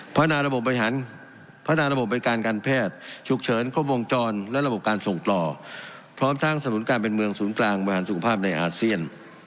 นาระบบพัฒนาระบบบริการการแพทย์ฉุกเฉินครบวงจรและระบบการส่งต่อพร้อมทั้งสนุนการเป็นเมืองศูนย์กลางบริหารสุขภาพในอาเซียน